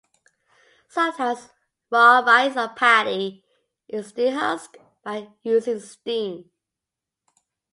Sometimes raw rice or paddy is dehusked by using steam.